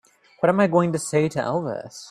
What am I going to say to Elvis?